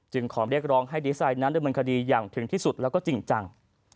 จึงขอเรียกร้องให้ดีเอสไอด์นั้นด้วยบรรคดีอย่างถึงที่สุดและจริงจัง